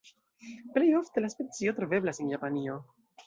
Plej ofte la specio troveblas en Japanio.